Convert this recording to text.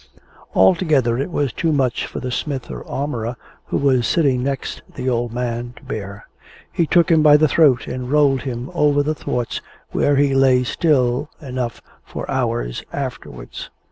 Altogether it was too much for the smith or armourer, who was sitting next the old man, to bear. He took him by the throat and rolled him under the thwarts, where he lay still enough for hours afterwards.